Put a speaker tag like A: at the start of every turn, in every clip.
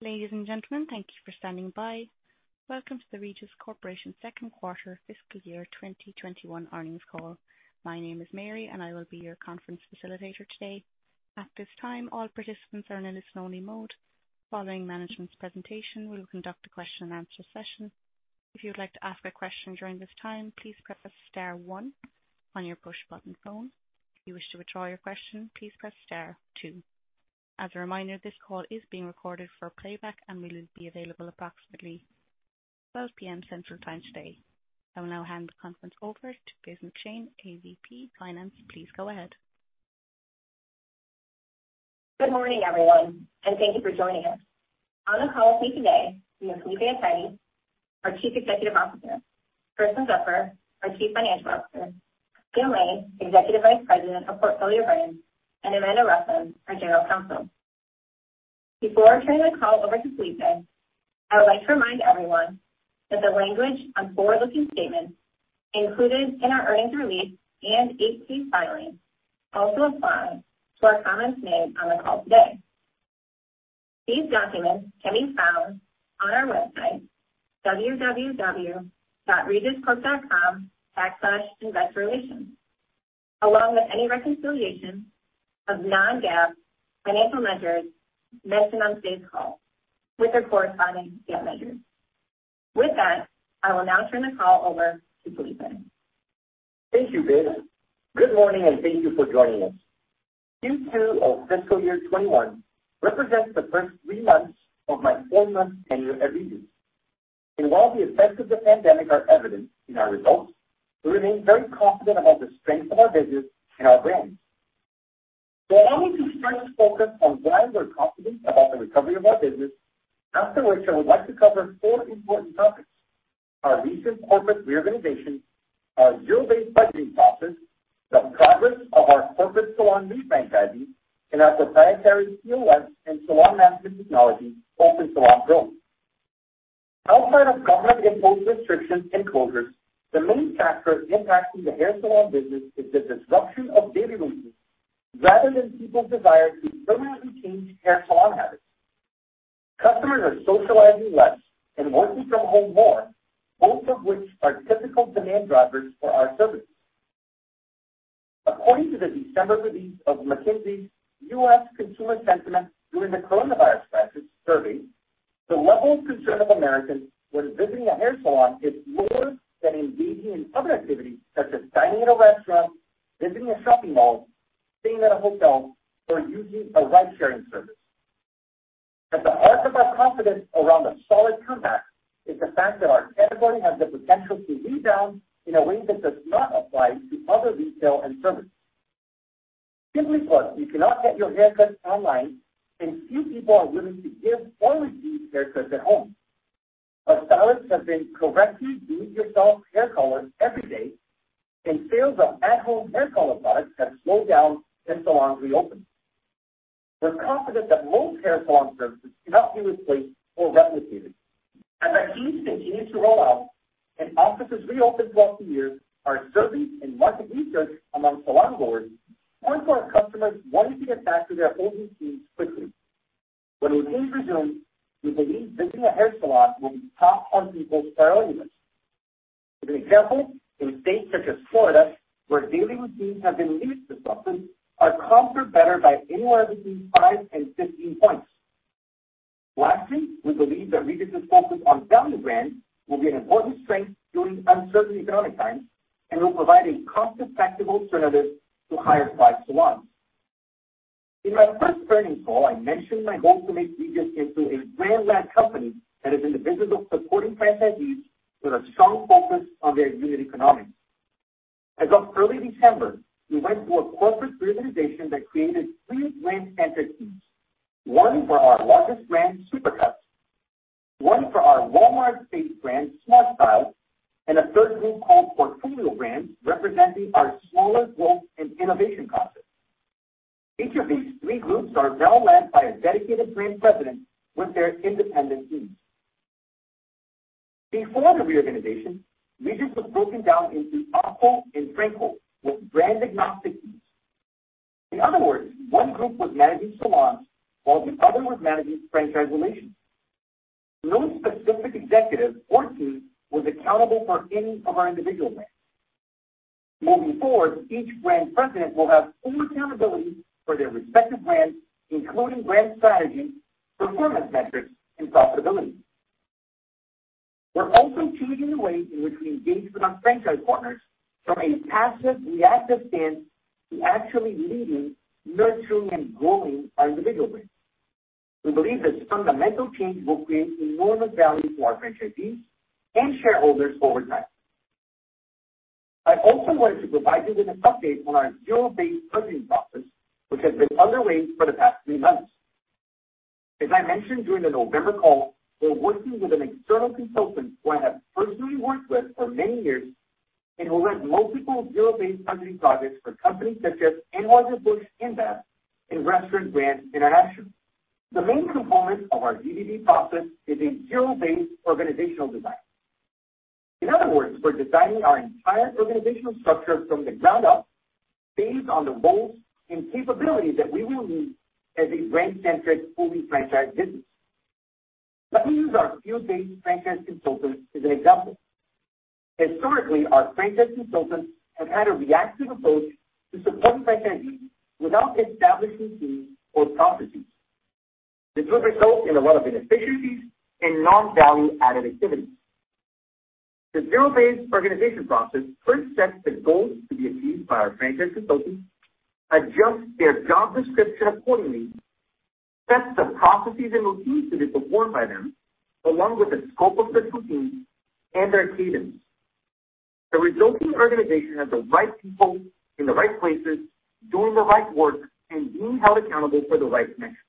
A: Ladies and gentlemen, thank you for standing by. Welcome to the Regis Corporation second quarter fiscal year 2021 earnings call. My name is Mary, and I will be your conference facilitator today. At this time, all participants are in a listen-only mode. Following management's presentation, we will conduct a Q&A session. If you'd like to ask a question during this time, please press star one on your push button phone. If you wish to withdraw your question, please press star two. As a reminder, this call is being recorded for playback and will be available approximately 12:00 PM Central Time today. I will now hand the conference over to Biz McShane, AVP Finance. Please go ahead.
B: Good morning, everyone, and thank you for joining us. On the call with me today, we have Felipe Athayde, our Chief Executive Officer, Kersten Zupfer, our Chief Financial Officer, Jim Lain, Executive Vice President of Portfolio Brands, and Amanda Rusin, our General Counsel. Before I turn the call over to Felipe, I would like to remind everyone that the language on forward-looking statements included in our earnings release and 8-K filing also apply to our comments made on the call today. These documents can be found on our website, www.regiscorp.com/investorrelations, along with any reconciliation of non-GAAP financial measures mentioned on today's call with their corresponding GAAP measures. With that, I will now turn the call over to Felipe.
C: Thank you, Biz. Good morning, thank you for joining us. Q2 of fiscal year 2021 represents the first three months of my four-month tenure at Regis. While the effects of the pandemic are evident in our results, we remain very confident about the strength of our business and our brands. Allow me to first focus on why we're confident about the recovery of our business, after which I would like to cover four important topics: our recent corporate reorganization, our zero-based budgeting process, the progress of our corporate salon leaseback ID, and our proprietary POS and salon management technology, OpenSalon Pro. Outside of government-imposed restrictions and closures, the main factor impacting the hair salon business is the disruption of daily routines rather than people's desire to permanently change hair salon habits. Customers are socializing less and working from home more, both of which are typical demand drivers for our services. According to the December release of McKinsey's U.S. Consumer Sentiment During the Coronavirus Crisis survey, the level of concern of Americans when visiting a hair salon is more than engaging in other activities such as dining at a restaurant, visiting a shopping mall, staying at a hotel, or using a ride-sharing service. At the heart of our confidence around a solid comeback is the fact that our category has the potential to rebound in a way that does not apply to other retail and services. Simply put, you cannot get your haircut online, and few people are willing to give or receive haircuts at home. Stylists have been correcting do-it-yourself hair colors every day, and sales of at-home hair color products have slowed down since salons reopened. We're confident that most hair salon services cannot be replaced or replicated. As vaccines continue to roll out and offices reopen throughout the year, our surveys and market research among salon-goers point to our customers wanting to get back to their old routines quickly. When routines resume, we believe visiting a hair salon will be top on people's priority lists. As an example, in states such as Florida, where daily routines have been least disrupted, our comps are better by anywhere between five and 15 points. Lastly, we believe that Regis' focus on value brands will be an important strength during uncertain economic times and will provide a cost-effective alternative to higher-priced salons. In my first earnings call, I mentioned my goal to make Regis into a brand-led company that is in the business of supporting franchisees with a strong focus on their unit economics. As of early December, we went through a corporate reorganization that created three brand-centered teams, one for our largest brand, Supercuts, one for our Walmart-based brand, SmartStyle, and a third group called Portfolio Brands, representing our smaller growth and innovation concepts. Each of these three groups are now led by a dedicated brand president with their independent teams. Before the reorganization, Regis was broken down into OpCo and FranCo with brand-agnostic teams. In other words, one group was managing salons while the other was managing franchise relations. No specific executive or team was accountable for any of our individual brands. Moving forward, each brand president will have full accountability for their respective brands, including brand strategy, performance metrics, and profitability. We're also changing the way in which we engage with our franchise partners from a passive reactive stance to actually leading, nurturing, and growing our individual brands. We believe this fundamental change will create enormous value for our franchisees and shareholders over time. I also wanted to provide you with an update on our zero-based budgeting process, which has been underway for the past three months. As I mentioned during the November call, we're working with an external consultant who I have personally worked with for many years and who led multiple zero-based budgeting projects for companies such as Anheuser-Busch InBev and Restaurant Brands International. The main component of our ZBB process is a zero-based organizational design. In other words, we're designing our entire organizational structure from the ground up based on the roles and capabilities that we will need as a brand-centric, fully franchised business. Let me use our field-based franchise consultants as an example. Historically, our franchise consultants have had a reactive approach to supporting franchisees without establishing teams or processes. This would result in a lot of inefficiencies and non-value-added activities. The Zero-Based Organization process first sets the goals to be achieved by our franchise consultants, adjusts their job description accordingly, sets the processes and routines to be performed by them, along with the scope of their routines and their cadence. The resulting organization has the right people in the right places, doing the right work, and being held accountable for the right metrics.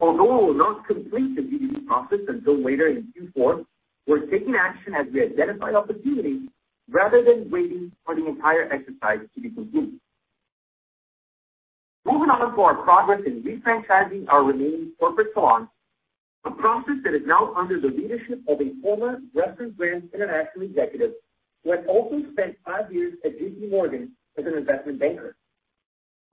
C: Although we will not complete the ZBO process until later in Q4, we're taking action as we identify opportunities rather than waiting for the entire exercise to be complete. Moving on to our progress in refranchising our remaining corporate salons, a process that is now under the leadership of a former Restaurant Brands International executive who has also spent five years at JPMorgan as an investment banker.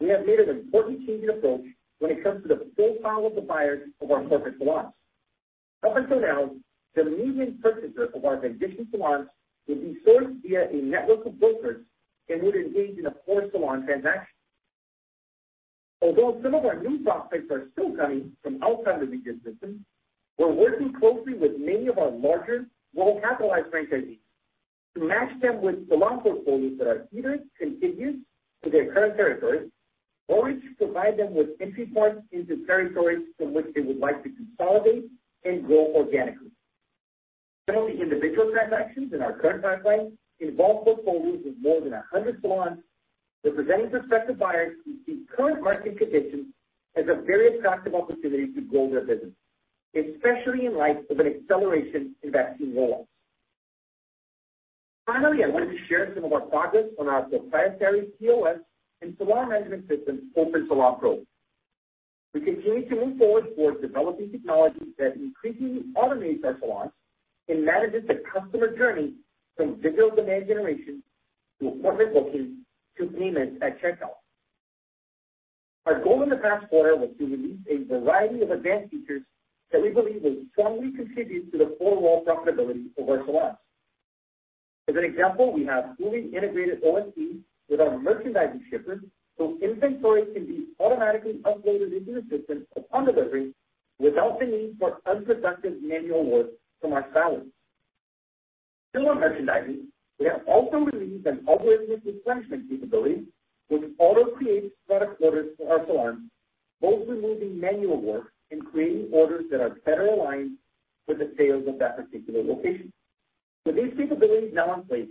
C: We have made an important change in approach when it comes to the profile of the buyers of our corporate salons. Up until now, the leading purchaser of our transition salons would be sourced via a network of brokers and would engage in a four-salon transaction. Although some of our new prospects are still coming from outside the Regis system, we're working closely with many of our larger, well-capitalized franchisees to match them with salon portfolios that are either contiguous to their current territories or to provide them with entry points into territories in which they would like to consolidate and grow organically. Several individual transactions in our current pipeline involve portfolios with more than 100 salons, thus presenting prospective buyers who see current market conditions as a very attractive opportunity to grow their business, especially in light of an acceleration in vaccine rollouts. Finally, I wanted to share some of our progress on our proprietary POS and salon management system, OpenSalon Pro. We continue to move forward toward developing technology that increasingly automates our salons and manages the customer journey from digital demand generation to appointment booking to payment at checkout. Our goal in the past quarter was to release a variety of advanced features that we believe will strongly contribute to the four-wall profitability of our salons. As an example, we have fully integrated OSP with our merchandising shippers so inventory can be automatically uploaded into the system upon delivery without the need for unproductive manual work from our stylists. Still on merchandising, we have also released an algorithmic replenishment capability which auto-creates product orders for our salons, both removing manual work and creating orders that are better aligned with the sales of that particular location. With these capabilities now in place,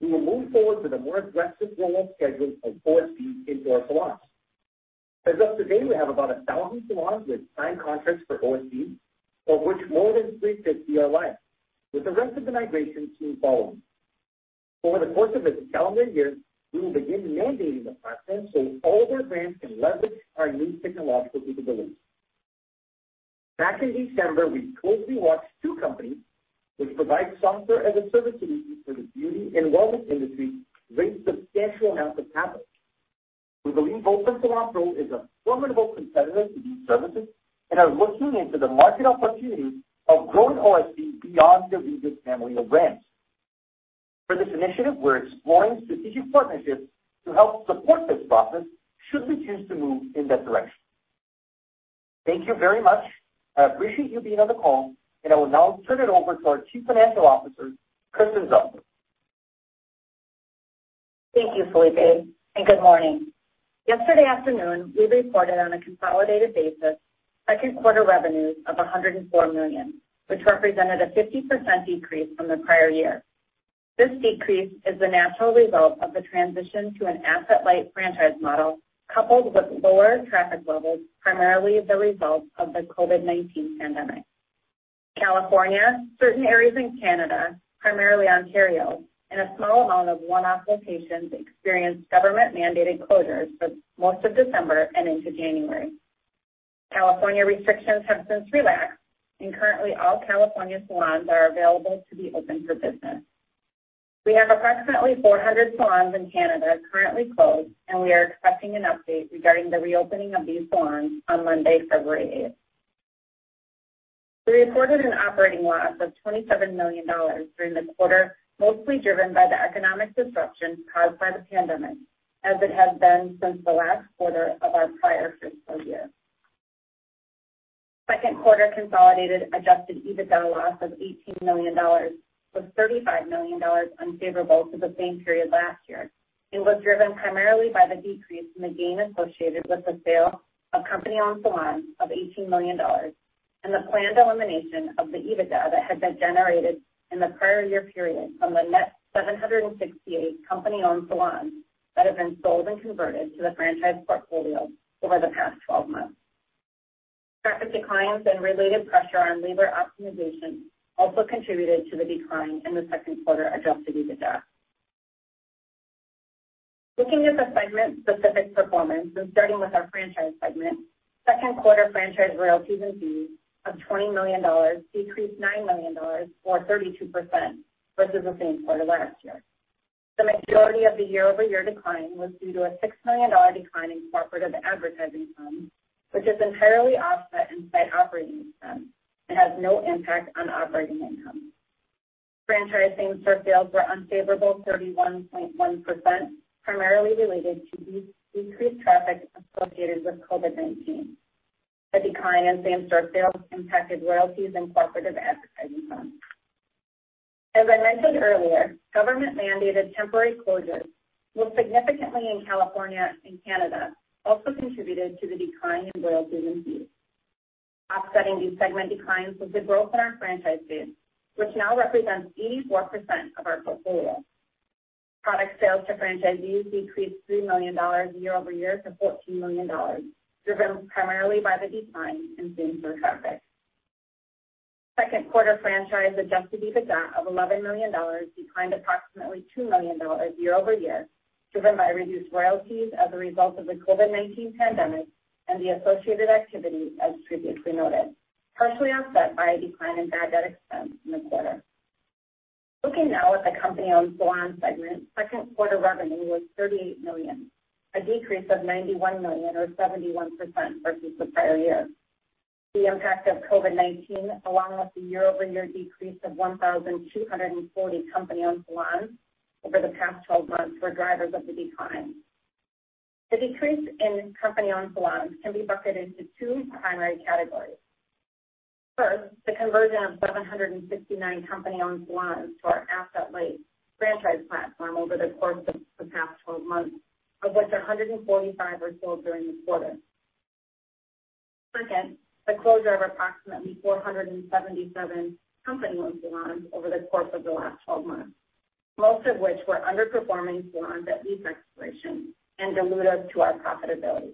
C: we will move forward with a more aggressive rollout schedule of OSP into our salons. As of today, we have about 1,000 salons with signed contracts for OSP, of which more than 350 are live, with the rest of the migration soon following. Over the course of this calendar year, we will begin mandating the platform so all of our brands can leverage our new technological capabilities. Back in December, we closely watched two companies which provide software-as-a-service solutions for the beauty and wellness industry raise substantial amounts of capital. We believe OpenSalon Pro is a formidable competitor to these services and are looking into the market opportunity of growing OSP beyond the Regis family of brands. For this initiative, we're exploring strategic partnerships to help support this process should we choose to move in that direction. Thank you very much. I appreciate you being on the call, and I will now turn it over to our Chief Financial Officer, Kersten Zupfer.
D: Thank you, Felipe. Good morning. Yesterday afternoon, we reported on a consolidated basis second quarter revenues of $104 million, which represented a 50% decrease from the prior year. This decrease is the natural result of the transition to an asset-light franchise model, coupled with lower traffic levels, primarily the result of the COVID-19 pandemic. California, certain areas in Canada, primarily Ontario, and a small amount of one-off locations experienced government-mandated closures for most of December and into January. California restrictions have since relaxed. Currently, all California salons are available to be open for business. We have approximately 400 salons in Canada currently closed. We are expecting an update regarding the reopening of these salons on Monday, February 8th. We reported an operating loss of $27 million during the quarter, mostly driven by the economic disruption caused by the pandemic, as it has been since the last quarter of our prior fiscal year. Second quarter consolidated adjusted EBITDA loss of $18 million was $35 million unfavorable to the same period last year and was driven primarily by the decrease in the gain associated with the sale of company-owned salons of $18 million and the planned elimination of the EBITDA that had been generated in the prior year period from the net 768 company-owned salons that have been sold and converted to the franchise portfolio over the past 12 months. Traffic declines and related pressure on labor optimization also contributed to the decline in the second quarter adjusted EBITDA. Looking at the segment specific performance and starting with our franchise segment, second quarter franchise royalties and fees of $20 million decreased $9 million or 32% versus the same quarter last year. The majority of the year-over-year decline was due to a $6 million decline in cooperative advertising funds, which is entirely offset in site operating expense and has no impact on operating income. Franchise same-store sales were unfavorable 31.1%, primarily related to decreased traffic associated with COVID-19. The decline in same-store sales impacted royalties and cooperative advertising funds. As I mentioned earlier, government-mandated temporary closures, most significantly in California and Canada, also contributed to the decline in royalties and fees. Offsetting these segment declines was the growth in our franchise base, which now represents 84% of our portfolio. Product sales to franchisees decreased $3 million year-over-year to $14 million, driven primarily by the decline in same-store traffic. Second quarter franchise adjusted EBITDA of $11 million declined approximately $2 million year-over-year, driven by reduced royalties as a result of the COVID-19 pandemic and the associated activity, as previously noted, partially offset by a decline in bad debt expense in the quarter. Looking now at the company-owned salon segment, second quarter revenue was $38 million, a decrease of $91 million or 71% versus the prior year. The impact of COVID-19, along with the year-over-year decrease of 1,240 company-owned salons over the past 12 months, were drivers of the decline. The decrease in company-owned salons can be bucketed into two primary categories. First, the conversion of 769 company-owned salons to our asset-light franchise platform over the course of the past 12 months, of which 145 were sold during the quarter. Second, the closure of approximately 477 company-owned salons over the course of the last 12 months, most of which were underperforming salons at lease expiration and dilutive to our profitability.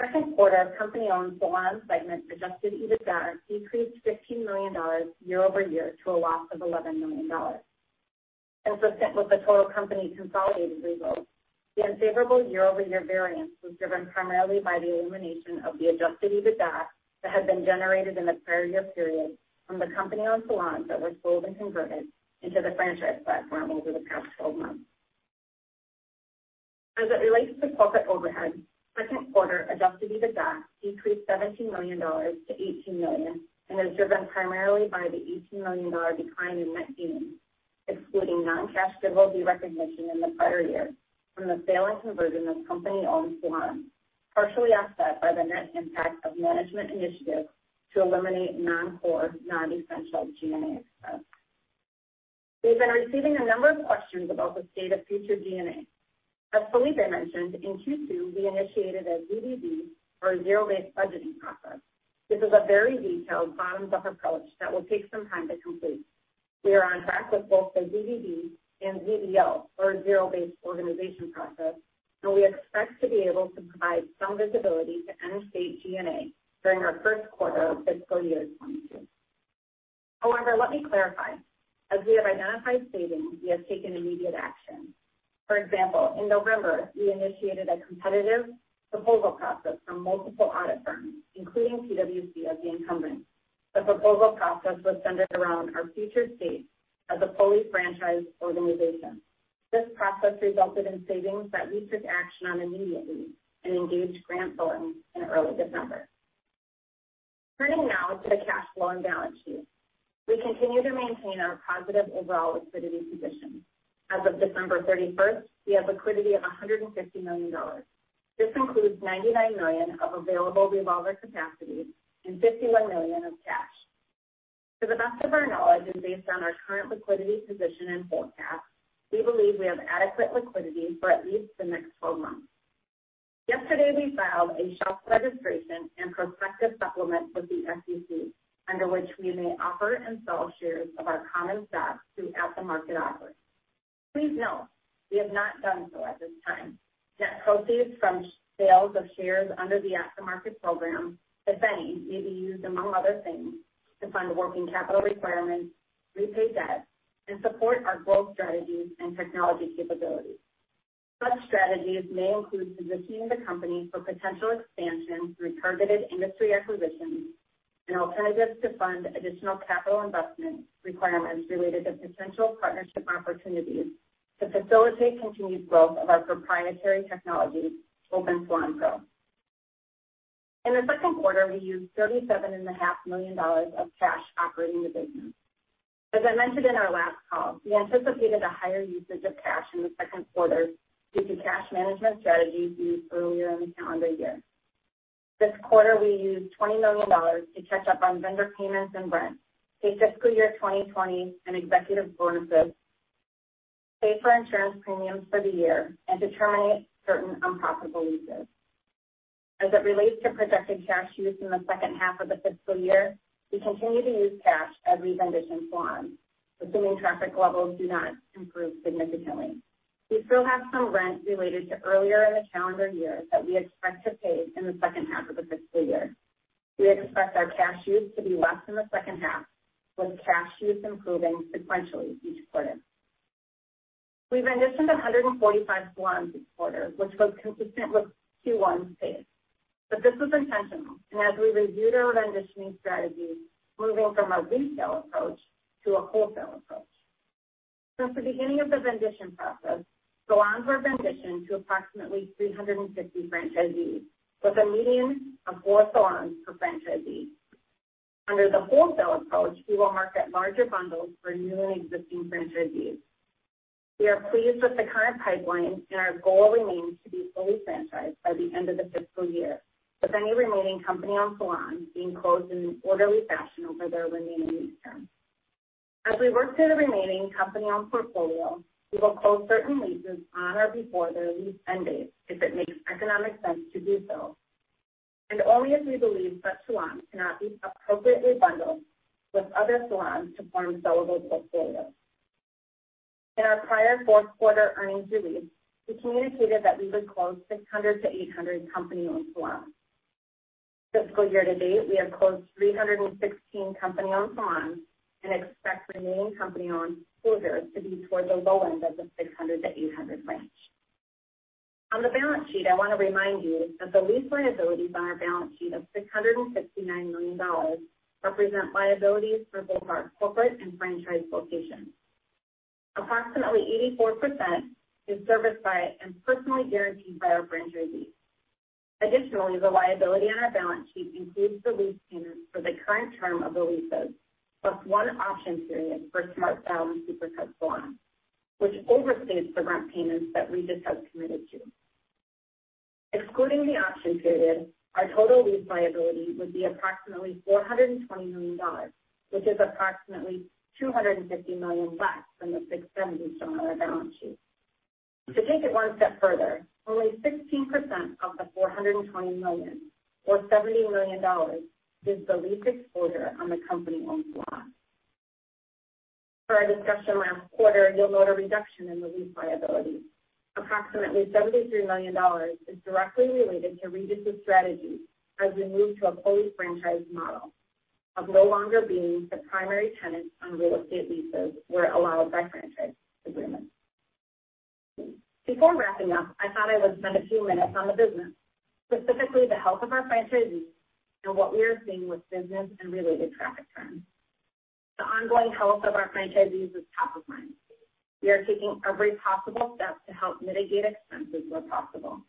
D: Second quarter company-owned salon segment adjusted EBITDA decreased $15 million year-over-year to a loss of $11 million. Consistent with the total company consolidated results, the unfavorable year-over-year variance was driven primarily by the elimination of the adjusted EBITDA that had been generated in the prior year period from the company-owned salons that were sold and converted into the franchise platform over the past 12 months. As it relates to corporate overhead, second quarter adjusted EBITDA decreased $17 million to $18 million and was driven primarily by the $18 million decline in net G&A, excluding non-cash goodwill derecognition in the prior year from the sale and conversion of company-owned salons, partially offset by the net impact of management initiatives to eliminate non-core, non-essential G&A expense. We've been receiving a number of questions about the state of future G&A. As Felipe mentioned, in Q2, we initiated a ZBB or a Zero-Based Budgeting process. This is a very detailed bottoms-up approach that will take some time to complete. We are on track with both the ZBB and ZBO or Zero-Based Organization process, and we expect to be able to provide some visibility to end-state G&A during our first quarter of fiscal year 2022. Let me clarify. As we have identified savings, we have taken immediate action. For example, in November, we initiated a competitive proposal process from multiple audit firms, including PwC as the incumbent. The proposal process was centered around our future state as a fully franchised organization. This process resulted in savings that we took action on immediately and engaged Grant Thornton in early December. Turning now to the cash flow and balance sheet. We continue to maintain our positive overall liquidity position. As of December 31st, we have liquidity of $150 million. This includes $99 million of available revolver capacity and $51 million of cash. To the best of our knowledge and based on our current liquidity position and forecast, we believe we have adequate liquidity for at least the next 12 months. Yesterday, we filed a shelf registration and prospective supplement with the SEC, under which we may offer and sell shares of our common stock through at-the-market offers. Please note, we have not done so at this time. Net proceeds from sales of shares under the at-the-market program, if any, may be used, among other things, to fund working capital requirements, repay debt, and support our growth strategies and technology capabilities. Such strategies may include positioning the company for potential expansion through targeted industry acquisitions and alternatives to fund additional capital investment requirements related to potential partnership opportunities to facilitate continued growth of our proprietary technology, OpenSalon Pro. In the second quarter, we used $37.5 million of cash operating the business. As I mentioned in our last call, we anticipated a higher usage of cash in the second quarter due to cash management strategies used earlier in the calendar year. This quarter, we used $20 million to catch up on vendor payments and rent, pay fiscal year 2020 and executive bonuses, pay for insurance premiums for the year, and to terminate certain unprofitable leases. As it relates to projected cash use in the second half of the fiscal year, we continue to use cash as we vend each salon, assuming traffic levels do not improve significantly. We still have some rent related to earlier in the calendar year that we expect to pay in the second half of the fiscal year. We expect our cash use to be less in the second half, with cash use improving sequentially each quarter. We venditioned 145 salons this quarter, which was consistent with Q1's pace, and this was intentional, as we reviewed our venditioning strategy, moving from a retail approach to a wholesale approach. Since the beginning of the vendition process, salons were venditioned to approximately 350 franchisees, with a median of four salons per franchisee. Under the wholesale approach, we will market larger bundles for new and existing franchisees. We are pleased with the current pipeline, and our goal remains to be fully franchised by the end of the fiscal year, with any remaining company-owned salons being closed in an orderly fashion over their remaining lease term. As we work through the remaining company-owned portfolio, we will close certain leases on or before their lease end date if it makes economic sense to do so, and only if we believe that salon cannot be appropriately bundled with other salons to form sellable portfolios. In our prior fourth quarter earnings release, we communicated that we would close 600-800 company-owned salons. Fiscal year to date, we have closed 316 company-owned salons and expect remaining company-owned closures to be towards the low end of the 600-800 range. On the balance sheet, I want to remind you that the lease liabilities on our balance sheet of $669 million represent liabilities for both our corporate and franchise locations. Approximately 84% is serviced by and personally guaranteed by our franchisees. Additionally, the liability on our balance sheet includes the lease payments for the current term of the leases, plus one option period for SmartStyle and Supercuts salons, which overstates the rent payments that Regis has committed to. Excluding the option period, our total lease liability would be approximately $420 million, which is approximately $250 million less than the $670 shown on our balance sheet. To take it one step further, only 16% of the $420 million, or $70 million, is the lease exposure on the company-owned salons. Per our discussion last quarter, you'll note a reduction in the lease liability. Approximately $73 million is directly related to Regis' strategy as we move to a fully franchised model of no longer being the primary tenant on real estate leases where allowed by franchise agreements. Before wrapping up, I thought I would spend a few minutes on the business, specifically the health of our franchisees and what we are seeing with business and related traffic trends. The ongoing health of our franchisees is top of mind. We are taking every possible step to help mitigate expenses where possible.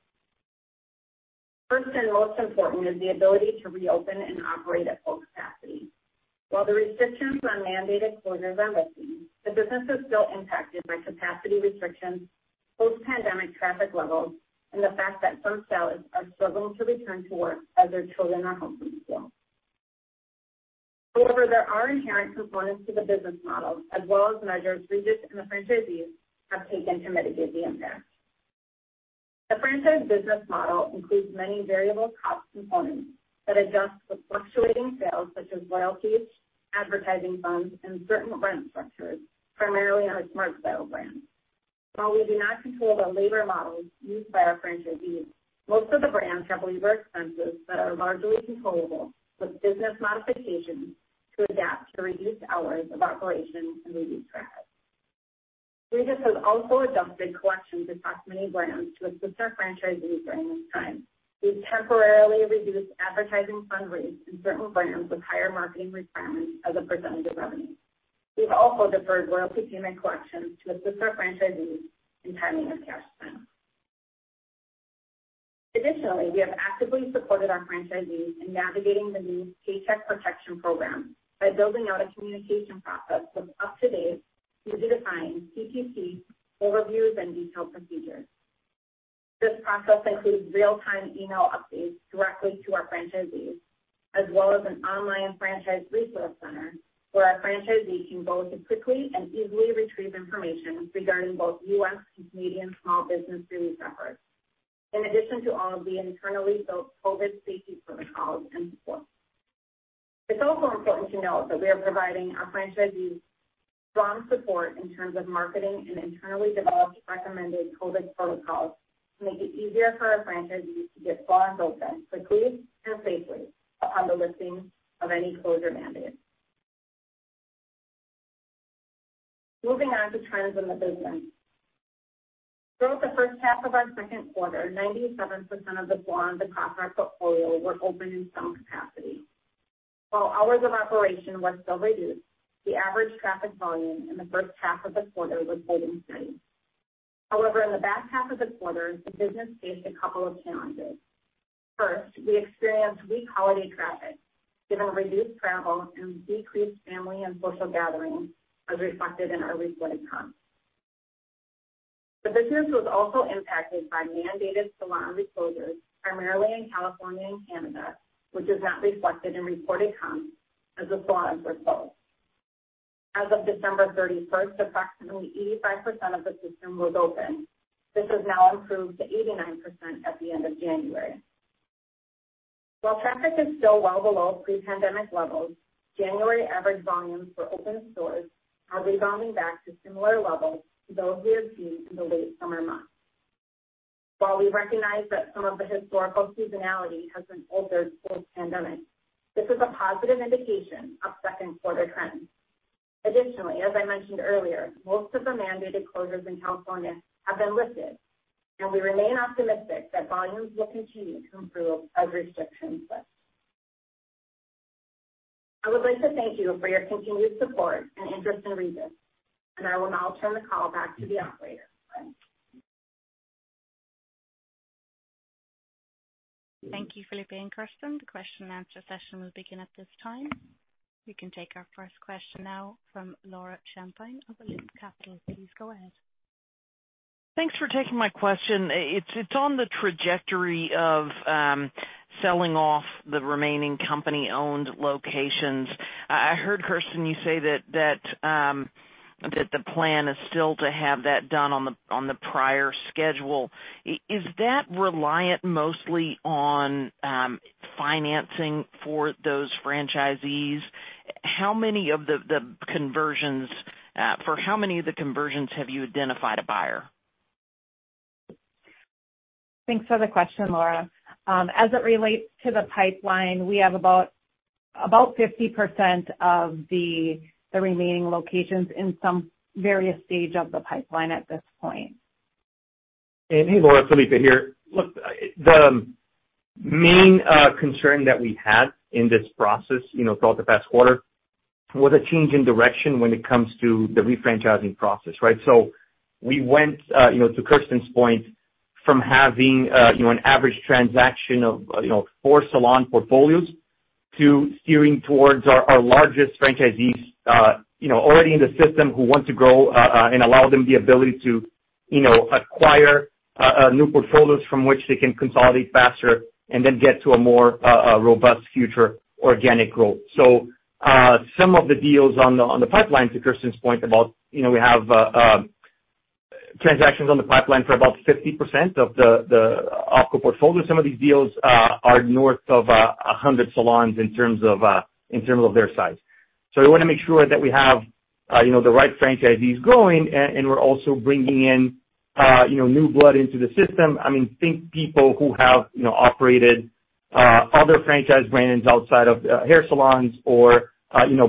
D: First and most important is the ability to reopen and operate at full capacity. While the restrictions on mandated closures are lifting, the business is still impacted by capacity restrictions, post-pandemic traffic levels, and the fact that some stylists are struggling to return to work as their children are home from school. There are inherent components to the business model as well as measures Regis and the franchisees have taken to mitigate the impact. The franchise business model includes many variable cost components that adjust with fluctuating sales such as royalties, advertising funds, and certain rent structures, primarily on our SmartStyle brand. While we do not control the labor models used by our franchisees, most of the brands have labor expenses that are largely controllable with business modifications to adapt to reduced hours of operation and reduced traffic. Regis has also adjusted collections across many brands to assist our franchisees during this time. We've temporarily reduced advertising fund rates in certain brands with higher marketing requirements as a percentage of revenue. We've also deferred royalty payment collections to assist our franchisees in timing of cash flow. Additionally, we have actively supported our franchisees in navigating the new Paycheck Protection Program by building out a communication process with up-to-date, easy-to-find PPP overviews and detailed procedures. This process includes real-time email updates directly to our franchisees, as well as an online franchise resource center where our franchisees can go to quickly and easily retrieve information regarding both U.S. and Canadian small business relief efforts, in addition to all of the internally built COVID safety protocols and support. It's also important to note that we are providing our franchisees strong support in terms of marketing and internally developed recommended COVID protocols to make it easier for our franchisees to get salons open quickly and safely upon the lifting of any closure mandate. Moving on to trends in the business. Throughout the first half of our second quarter, 97% of the salons across our portfolio were open in some capacity. While hours of operation were still reduced, the average traffic volume in the first half of the quarter was holding steady. However, in the back half of the quarter, the business faced a couple of challenges. First, we experienced weak holiday traffic given reduced travel and decreased family and social gatherings as reflected in our reported comps. The business was also impacted by mandated salon closures, primarily in California and Canada, which is not reflected in reported comps as the salons were closed. As of December 31st, approximately 85% of the system was open. This has now improved to 89% at the end of January. While traffic is still well below pre-pandemic levels, January average volumes for open stores are rebounding back to similar levels to those we observed in the late summer months. While we recognize that some of the historical seasonality has been altered through the pandemic, this is a positive indication of second quarter trends. Additionally, as I mentioned earlier, most of the mandated closures in California have been lifted, and we remain optimistic that volumes will continue to improve as restrictions lift. I would like to thank you for your continued support and interest in Regis, and I will now turn the call back to the operator.
A: Thank you, Felipe and Kersten. The question and answer session will begin at this time. We can take our first question now from Laura Champine of Loop Capital. Please go ahead.
E: Thanks for taking my question. It's on the trajectory of selling off the remaining company-owned locations. I heard, Kersten, you say that the plan is still to have that done on the prior schedule. Is that reliant mostly on financing for those franchisees? For how many of the conversions have you identified a buyer?
D: Thanks for the question, Laura. As it relates to the pipeline, we have about 50% of the remaining locations in some various stage of the pipeline at this point.
C: Hey, Laura, Felipe here. Look, the main concern that we had in this process throughout the past quarter was a change in direction when it comes to the refranchising process, right? We went, to Kersten's point, from having an average transaction of four salon portfolios to steering towards our largest franchisees already in the system who want to grow and allow them the ability to acquire new portfolios from which they can consolidate faster and then get to a more robust future organic growth. Some of the deals on the pipeline, to Kersten's point, we have transactions on the pipeline for about 50% of the OpCo portfolio. Some of these deals are north of 100 salons in terms of their size. We want to make sure that we have the right franchisees growing, and we're also bringing in new blood into the system. I mean, think people who have operated other franchise brands outside of hair salons or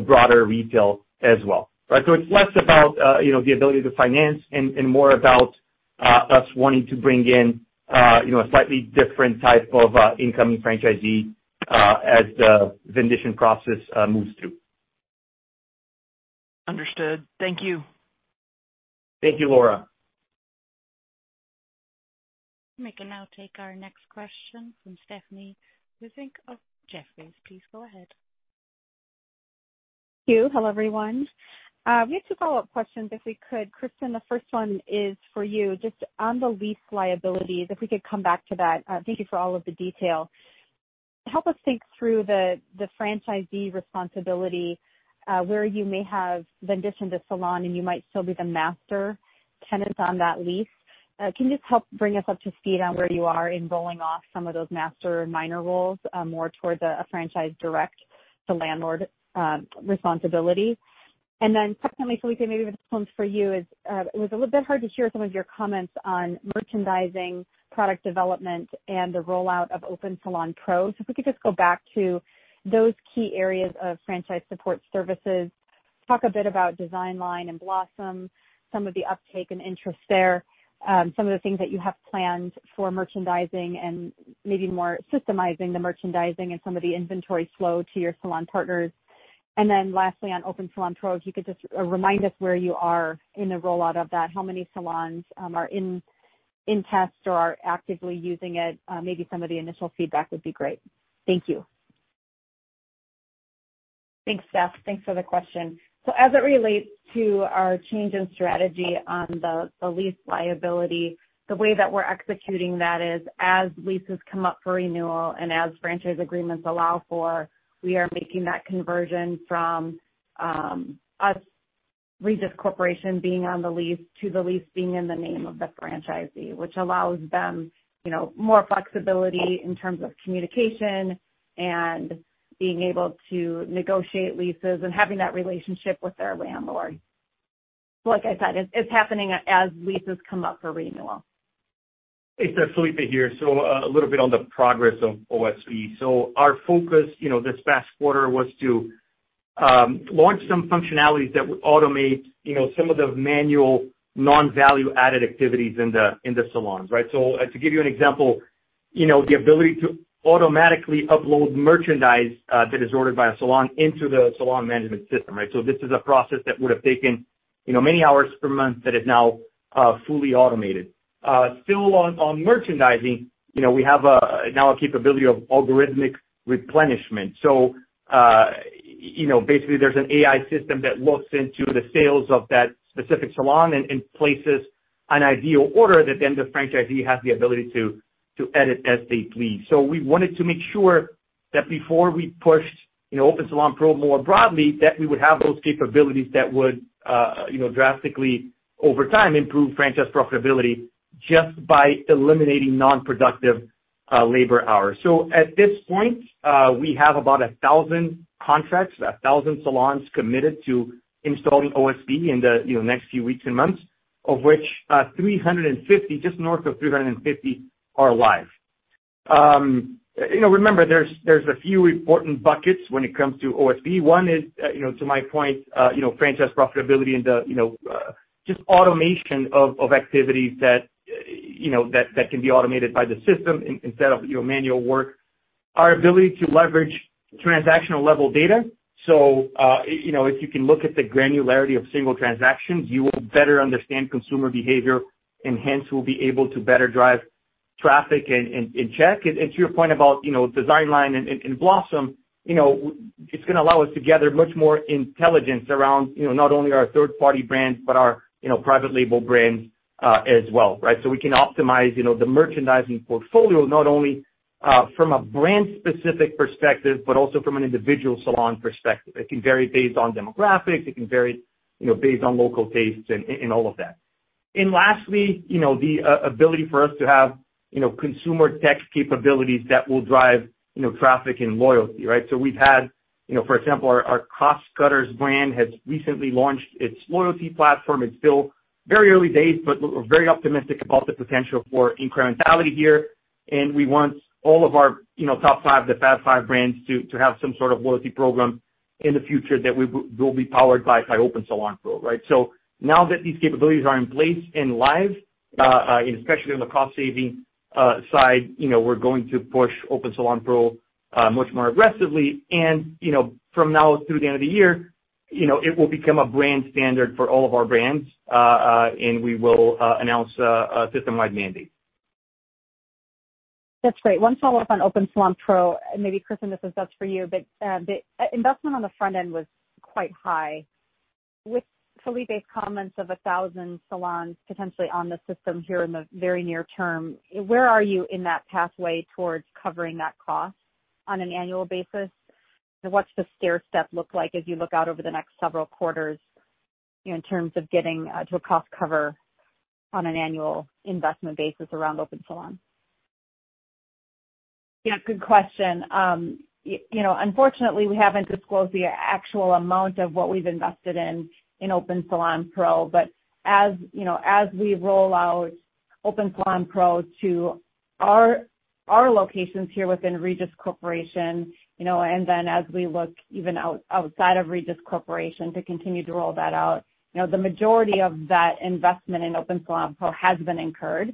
C: broader retail as well. Right? It's less about the ability to finance and more about us wanting to bring in a slightly different type of incoming franchisee as the vendition process moves through.
E: Understood. Thank you.
C: Thank you, Laura.
A: We can now take our next question from Stephanie Wissink of Jefferies. Please go ahead.
F: Thank you. Hello, everyone. We have two follow-up questions, if we could. Kersten, the first one is for you, just on the lease liabilities, if we could come back to that. Thank you for all of the detail. Help us think through the franchisee responsibility, where you may have venditioned a salon and you might still be the master tenants on that lease. Can you just help bring us up to speed on where you are in rolling off some of those master and minor roles, more towards a franchise direct to landlord responsibility? Secondly, Felipe, maybe this one's for you, it was a little bit hard to hear some of your comments on merchandising, product development, and the rollout of OpenSalon Pro. If we could just go back to those key areas of franchise support services, talk a bit about DESIGNLINE and Blossom, some of the uptake and interest there, some of the things that you have planned for merchandising and maybe more systemizing the merchandising and some of the inventory flow to your salon partners. Then lastly, on OpenSalon Pro, if you could just remind us where you are in the rollout of that, how many salons are in test or are actively using it? Maybe some of the initial feedback would be great. Thank you.
D: Thanks, Steph. Thanks for the question. As it relates to our change in strategy on the lease liability, the way that we're executing that is as leases come up for renewal and as franchise agreements allow for, we are making that conversion from us, Regis Corporation, being on the lease to the lease being in the name of the franchisee, which allows them more flexibility in terms of communication and being able to negotiate leases and having that relationship with their landlord. Like I said, it's happening as leases come up for renewal.
C: Hey, Steph, Felipe here. A little bit on the progress of OSP. Our focus this past quarter was to launch some functionalities that would automate some of the manual non-value-added activities in the salons, right? To give you an example, the ability to automatically upload merchandise that is ordered by a salon into the salon management system, right? This is a process that would have taken many hours per month that is now fully automated. Still on merchandising, we have now a capability of algorithmic replenishment. Basically, there's an AI system that looks into the sales of that specific salon and places an ideal order that then the franchisee has the ability to edit as they please. We wanted to make sure that before we pushed OpenSalon Pro more broadly, that we would have those capabilities that would drastically, over time, improve franchise profitability just by eliminating non-productive labor hours. At this point, we have about 1,000 contracts, 1,000 salons committed to installing OSP in the next few weeks and months, of which 350, just north of 350 are live. Remember, there's a few important buckets when it comes to OSP. One is, to my point, franchise profitability and just automation of activities that can be automated by the system instead of manual work. Our ability to leverage transactional level data. If you can look at the granularity of single transactions, you will better understand consumer behavior, and hence, we'll be able to better drive traffic and check. To your point about DESIGNLINE and Blossom, it's going to allow us to gather much more intelligence around not only our third-party brands, but our private label brands as well, right? We can optimize the merchandising portfolio, not only from a brand-specific perspective, but also from an individual salon perspective. It can vary based on demographics, it can vary based on local tastes and all of that. Lastly, the ability for us to have consumer tech capabilities that will drive traffic and loyalty, right? We've had, for example, our Cost Cutters brand has recently launched its loyalty platform. It's still very early days, but we're very optimistic about the potential for incrementality here, and we want all of our top five, the fast five brands to have some sort of loyalty program in the future that will be powered by OpenSalon Pro, right? Now that these capabilities are in place and live, and especially on the cost-saving side, we're going to push OpenSalon Pro much more aggressively. From now through the end of the year, it will become a brand standard for all of our brands, and we will announce a system-wide mandate.
F: That's great. One follow-up on OpenSalon Pro, and maybe Kersten, this is just for you, but the investment on the front end was quite high. With Felipe's comments of 1,000 salons potentially on the system here in the very near term, where are you in that pathway towards covering that cost on an annual basis? And what's the stair step look like as you look out over the next several quarters in terms of getting to a cost cover on an annual investment basis around OpenSalon?
D: Yeah, good question. Unfortunately, we haven't disclosed the actual amount of what we've invested in OpenSalon Pro, as we roll out OpenSalon Pro to our locations here within Regis Corporation, and then as we look even outside of Regis Corporation to continue to roll that out, the majority of that investment in OpenSalon Pro has been incurred.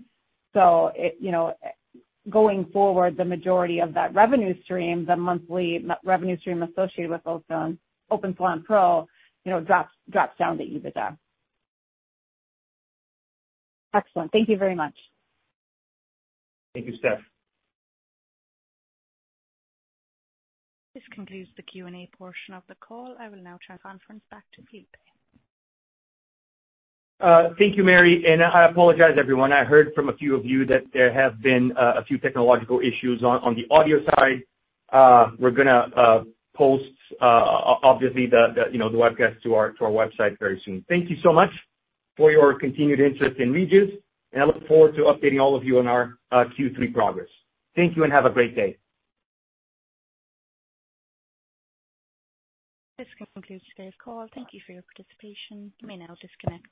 D: Going forward, the majority of that revenue stream, the monthly revenue stream associated with OpenSalon Pro drops down to EBITDA.
F: Excellent. Thank you very much.
C: Thank you, Steph.
A: This concludes the Q&A portion of the call. I will now turn the conference back to Felipe.
C: Thank you, Mary, and I apologize, everyone. I heard from a few of you that there have been a few technological issues on the audio side. We're going to post, obviously, the webcast to our website very soon. Thank you so much for your continued interest in Regis, and I look forward to updating all of you on our Q3 progress. Thank you and have a great day.
A: This concludes today's call. Thank you for your participation. You may now disconnect.